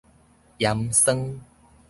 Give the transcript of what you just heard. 鹽酸